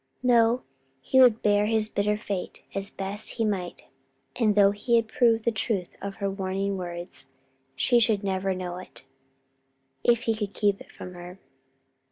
No, he would bear his bitter fate as best he might, and though he had proved the truth of her warning words, she should never know it, if he could keep it from her.